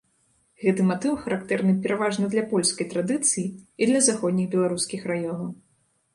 Гэты матыў характэрны пераважна для польскай традыцыі і для заходніх беларускіх раёнаў.